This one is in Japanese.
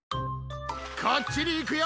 こっちにいくよ！